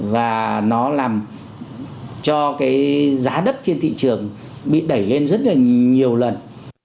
và nó làm cho cái giá đất trên thị trường bị đẩy lên rất là nhiều lần